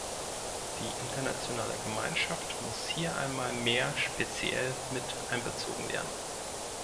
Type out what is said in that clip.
Die internationale Gemeinschaft muss hier einmal mehr speziell mit einbezogen werden.